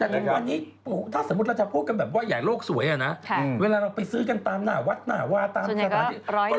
แต่ทุกวันนี้ถ้าสมมุติเราจะพูดกันแบบว่าใหญ่โลกสวยอะนะเวลาเราไปซื้อกันตามหน้าวัดหน้าวาตามสถานที่